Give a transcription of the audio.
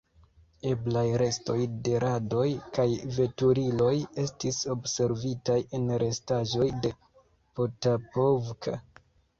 Eblaj restoj de radoj kaj veturiloj estis observitaj en restaĵoj de Potapovka.